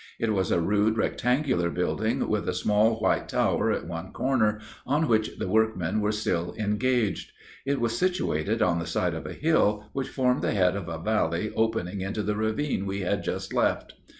It was a rude, rectangular building, with a small white tower at one corner, on which the workmen were still engaged. It was situated on the side of a hill which formed the head of a valley opening into the ravine we had just left.